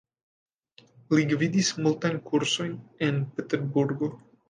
Li gvidis multajn kursojn en Peterburgo.